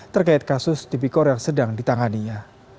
terkait kasus tipikor yang sedang ditanganinya